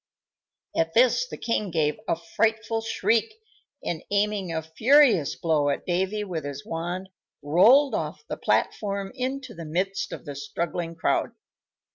At this the king gave a frightful shriek, and, aiming a furious blow at Davy with his wand, rolled off the platform into the midst of the struggling crowd.